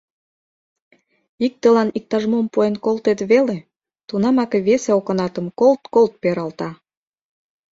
Иктылан иктаж-мом пуэн колтет веле — тунамак весе окнатым колт-колт пералта.